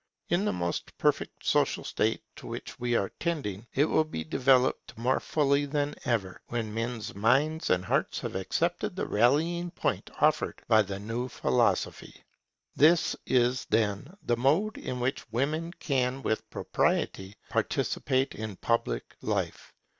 In the more perfect social state to which we are tending, it will be developed more fully than ever, when men's minds and hearts have accepted the rallying point offered by the new philosophy. This is, then, the mode in which women can with propriety participate in public life.